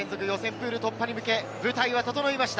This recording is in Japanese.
プール突破に向け、舞台は整います。